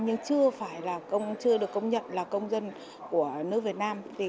nhưng chưa được công nhận là công dân của nước việt nam